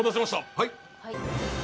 はい。